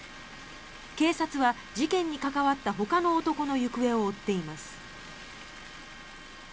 警察は事件に関わったほかの男の行方を追っています。